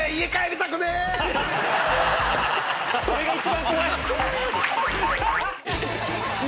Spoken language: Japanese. ・それが一番怖い。